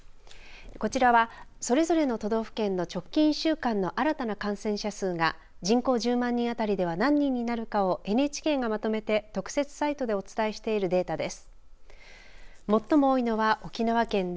こちらはそれぞれの都道府県の直近１週間の新たな感染者数が人口１０万人あたりでは何人になるかをＮＨＫがまとめて特設サイトでお伝えしているデータです。